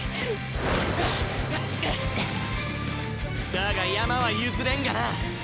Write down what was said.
だが山は譲れんがな。